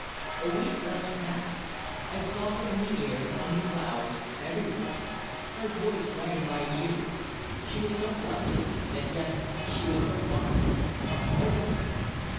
A week thus passed. I saw her in the air, in the clouds, everywhere; her voice rang in my ears; she was so lovely and yet she was so vile a poisoner!